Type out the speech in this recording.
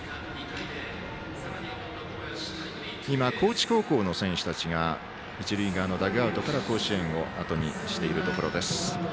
今、高知高校の選手たちが一塁側のダグアウトから甲子園をあとにしているところです。